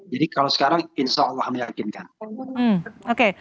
jadi kalau sekarang insya allah meyakinkan